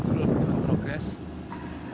jadi ini sudah selesai ruang ganti